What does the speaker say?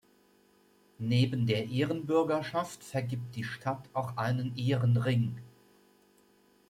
Neben der Ehrenbürgerschaft vergibt die Stadt auch einen Ehrenring.